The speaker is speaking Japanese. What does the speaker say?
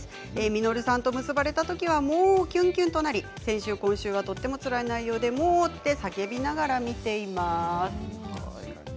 稔さんと結ばれたときはもうキュンキュンとなり先週と今週はつらい内容でモーと叫びながら見ています。